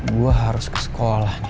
gue harus ke sekolah